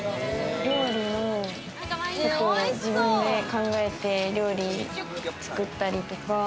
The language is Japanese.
料理を自分で考えて料理作ったりとか。